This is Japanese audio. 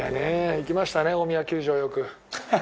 行きましたね、大宮球場、よく。